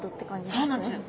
そうなんです。